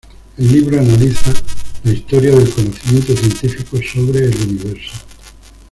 El libro analiza la historia del conocimiento científico sobre el universo.